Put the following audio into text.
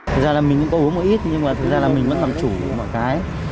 thật ra là mình cũng có uống một ít nhưng mà thật ra là mình vẫn làm chủ với mọi cái